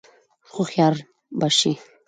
هوښیار به شې !